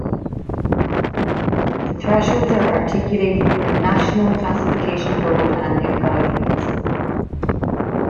The thresholds are articulated in a National Classification Code and in Guidelines.